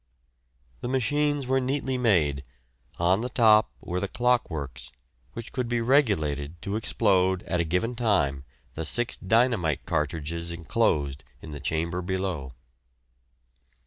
The machines were neatly made; on the top were the clock works, which could be regulated to explode at a given time the six dynamite cartridges enclosed in the chamber below.